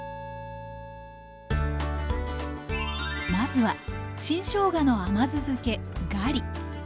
まずは新しょうがの甘酢漬けガリ。